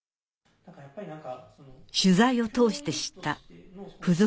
取材を通して知った附属